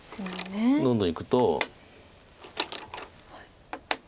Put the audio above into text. どんどんいくと。